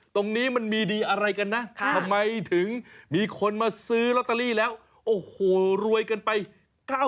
ตรงนี้มันมีดีอะไรกันนะทำไมถึงมีคนมาซื้อลอตเตอรี่แล้วโอ้โหรวยกันไป